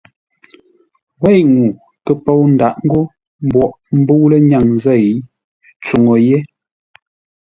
Wêi ŋuu kə pou ndǎʼ ńgó mboʼ mbə̂u lənyaŋ zêi tsúŋu yé.